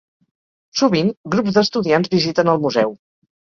Sovint, grups d'estudiants visiten el museu.